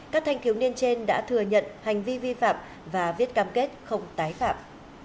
các thanh thiếu niên trên đã thừa nhận hành vi vi phạm và viết cam kết không tái phạm